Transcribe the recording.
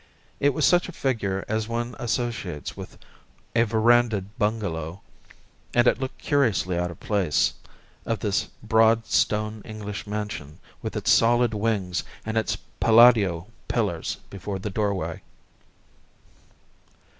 It was such a figure as one associates with a verandahed bungalow, and it looked curiously out of place in front of this broad, stone English mansion, with its solid wings and its Palladio pillars before the doorway.